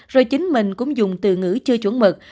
rồi chính mình cũng dùng từ ngữ chưa chuẩn mực